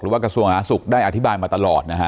ว่ากระทรวงหาสุขได้อธิบายมาตลอดนะฮะ